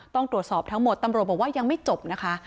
ต้องตรวจสอบทั้งหมดตำรวจบอกว่ายังไม่จบนะคะ